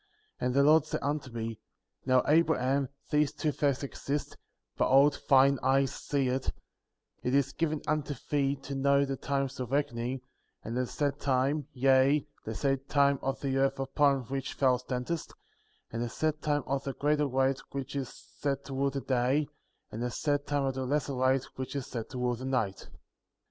6. And the Lord said unto me : Now, Abraham, these two facts exist,^ behold thine eyes see it; it is given unto thee to know the times of reckoning, and the set time, yea, the set time of the earth upon which thou standest, and the set time of the greater light which is set to rule the day, and the set time of the lesser light which is set to rule the night.